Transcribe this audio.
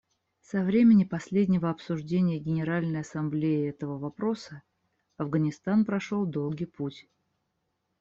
Со времени последнего обсуждения Генеральной Ассамблеей этого вопроса Афганистан прошел долгий путь.